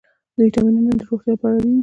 ویټامینونه د روغتیا لپاره اړین دي